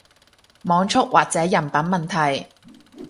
網速或者人品問題